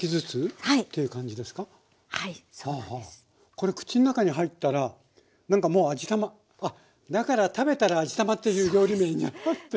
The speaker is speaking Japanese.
これ口の中に入ったら何かもう味玉あっだから「食べたら味玉」という料理名になってるんですね。